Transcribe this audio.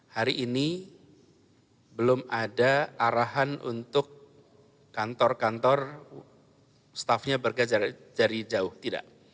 hari ini belum ada arahan untuk kantor kantor staffnya berkejar dari jauh tidak